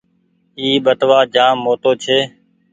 اي ٻٽوآ جآم موٽو ڇي۔